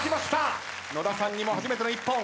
野田さんにも初めての一本。